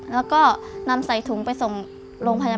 แล้วก็นำใส่ถุงไปส่งลงไฟฟ้า